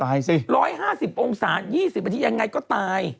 สิ๑๕๐องศา๒๐นาทียังไงก็ตาย